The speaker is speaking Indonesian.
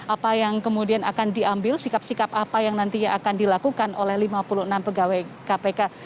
apa yang kemudian akan diambil sikap sikap apa yang nantinya akan dilakukan oleh lima puluh enam pegawai kpk